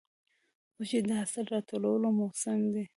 وږی د حاصل راټولو موسم دی.